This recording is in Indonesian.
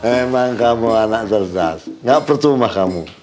emang kamu anak cerdas gak percuma kamu